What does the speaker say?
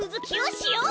しよう！